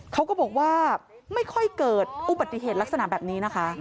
เขาก็บอกว่าไม่ค่อยเกิดอุบัติเหตุลักษณะแบบนี้นะคะ